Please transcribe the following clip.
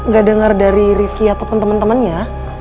gak denger dari rifki ataupun temen temennya